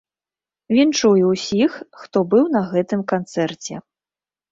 Віншую ўсіх, хто быў на гэтым канцэрце.